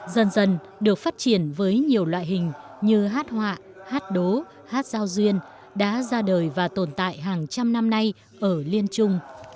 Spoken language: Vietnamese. dần dần được phát triển với nhiều loại hình như hát họa hát đố hát giao duyên đã ra đời và tồn tại hàng trăm năm nay ở liên trung